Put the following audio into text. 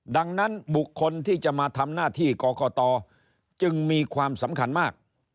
ดังนั้นบุคคลที่จะมาทำหน้าที่กรกตจึงมีความสำคัญมาก